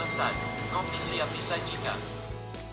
selesai kopi siap disajikan